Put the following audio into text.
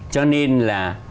cho nên là